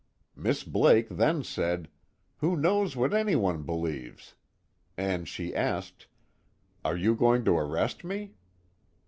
Miss Blake then said: 'Who knows what anyone believes?' And she asked: 'Are you going to arrest me?'